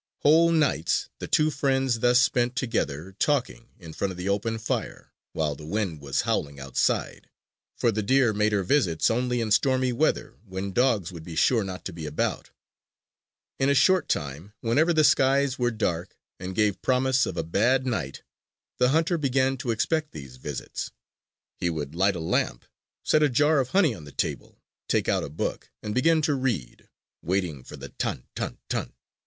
Whole nights the two friends thus spent together, talking in front of the open fire, while the wind was howling outside; for the deer made her visits only in stormy weather when dogs would be sure not to be about. In a short time whenever the skies were dark and gave promise of a bad night, the hunter began to expect these visits. He would light a lamp, set a jar of honey on the table, take out a book and begin to read, waiting for the "Tan! Tan! Tan!"